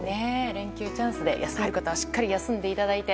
連休チャンスで休める方はしっかり休んでいただいて。